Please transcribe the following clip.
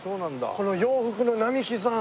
この「洋服の並木」さん。